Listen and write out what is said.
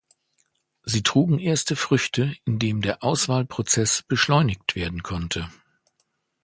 Sie trugen erste Früchte, indem der Auswahlprozess beschleunigt werden konnte.